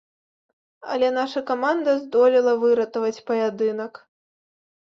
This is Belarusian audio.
Але наша каманда здолела выратаваць паядынак.